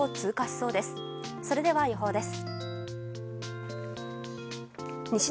それでは予報です。